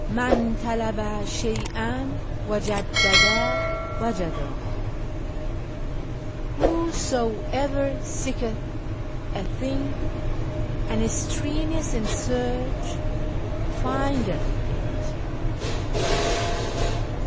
" Man falaba shcy'"", wajadda ivajada." "Whosoever seeketh a thing, and is strenuous in search, findeth it."